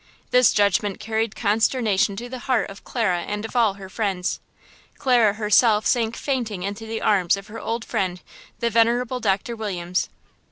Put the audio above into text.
This judgment carried consternation to the heart of Clara and of all her friends. Clara herself sank fainting in the arms of her old friend, the venerable Doctor Williams.